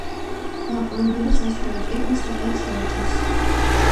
მაყურებელი სასურველ წიგნს თავად შეარჩევს.